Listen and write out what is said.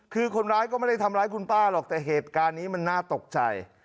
คือคนร้ายก็ไม่ได้ทำร้ายคุณป้าหรอกแต่เหตุการณ์นี้มันน่าตกใจ